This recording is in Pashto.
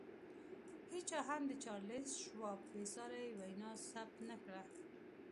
هېچا هم د چارلیس شواب بې ساري وینا ثبت نه کړه